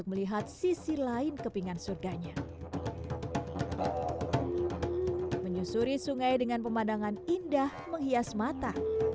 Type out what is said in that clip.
menyusuri sungai dengan pemandangan indah menghias mata